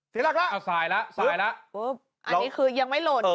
เสียหลักแล้วอันนี้คือยังไม่หลุด